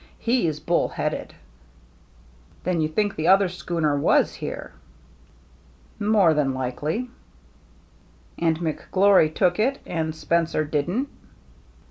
He's bull headed." "Then you think the ether schooner was here?" " More than likely." '* And McGlory took it and Spencer didn't